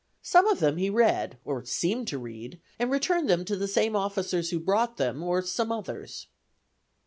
Some of them he read, or seemed to read, and returned them to the same officers who brought them, or some others.